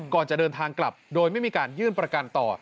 ก่อนจะเดินทางกลับโดยไม่มีการยื่นประกันต่อ